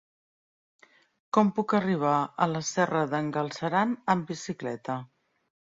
Com puc arribar a la Serra d'en Galceran amb bicicleta?